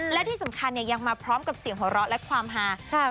และที่สำคัญยังมาพร้อมกับเสียงหอรอและความฮา